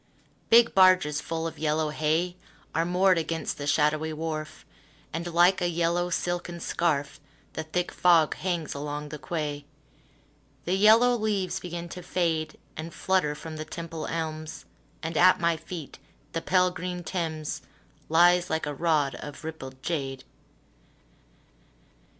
Big barges full of yellow hay Are moored against the shadowy wharf, And, like a yellow silken scarf, The thick fog hangs along the quay. The yellow leaves begin to fade And flutter from the Temple elms, And at my feet the pale green Thames Lies like a rod of rippled jade.